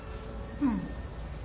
うん